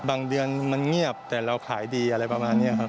เดือนมันเงียบแต่เราขายดีอะไรประมาณนี้ครับ